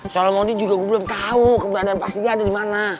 soalnya mondi juga gue belum tahu keberadaan pasti dia ada dimana